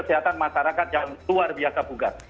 kesehatan masyarakat yang luar biasa bugar